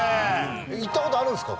行った事あるんですか？